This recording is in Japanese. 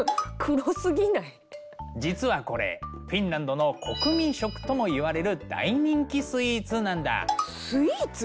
実はこれフィンランドの国民食ともいわれる大人気スイーツなんだ。